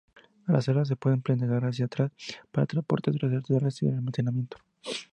Las alas se pueden plegar hacia atrás para el transporte terrestre y el almacenamiento.